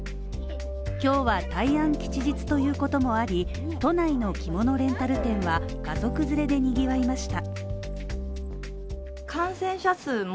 今日は大安吉日ということもあり、都内の着物レンタル店は家族連れでにぎわいました。